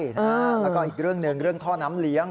แล้วก็อีกเรื่องหนึ่งเรื่องท่อน้ำเลี้ยง